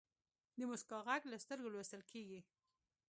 د موسکا ږغ له سترګو لوستل کېږي.